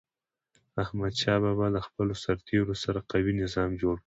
احمدشاه بابا د خپلو سرتېرو سره قوي نظام جوړ کړ.